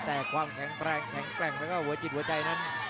แต่ความแข็งแรงแข็งแกร่งแล้วก็หัวจิตหัวใจนั้น